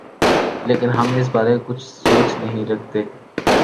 لیکن ہم اس بارے کچھ سوچ نہیں رکھتے۔